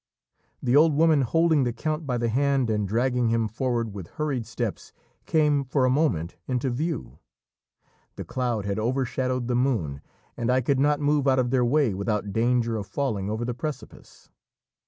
The old woman, holding the count by the hand and dragging him forward with hurried steps, came for a moment into view. The cloud had overshadowed the moon, and I could not move out of their way without danger of falling over the precipice.